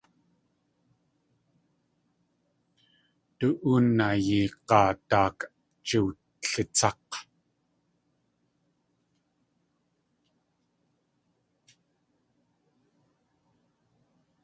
Du óonayí g̲áa daak jiwlitsák̲.